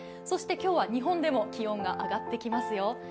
そして今日は日本でも気温が上がってきますよ。